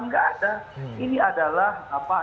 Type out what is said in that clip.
nggak ada ini adalah apa